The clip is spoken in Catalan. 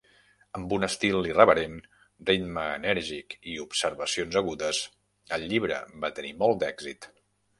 Amb un estil irreverent, ritme enèrgic i observacions agudes, el llibre va tenir molt d'èxit.